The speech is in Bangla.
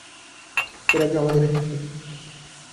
এই রাজ্য আমাদেরই থাকবে।